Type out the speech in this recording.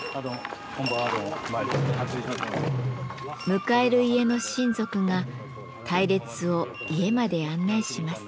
迎える家の親族が隊列を家まで案内します。